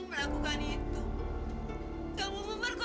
seharusnya aku tinggal sama anak kamu